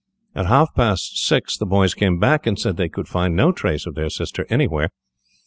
At half past six the boys came back and said that they could find no trace of their sister anywhere.